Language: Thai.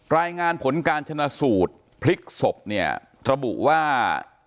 รายงานผลการชนะสูตรพลิกศพเนี่ยระบุว่า